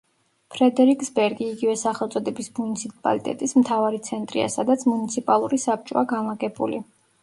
ფრედერიკსბერგი იგივე სახელწოდების მუნიციპალიტეტის მთავარი ცენტრია, სადაც მუნიციპალური საბჭოა განლაგებული.